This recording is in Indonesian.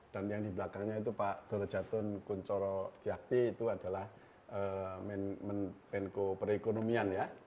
dan yang di belakangnya itu pak dorojatun kunchoro gyakbe itu adalah menko perekonomian ya